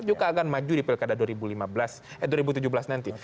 juga akan maju di pilkada dua ribu tujuh belas nanti